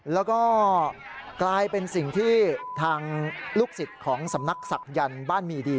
แล้วก็กลายเป็นสิ่งที่ทางลูกศิษย์ของสำนักศักยันต์บ้านมีดี